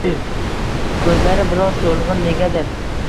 Koʻzlari biroz soʻlgʻin negadir.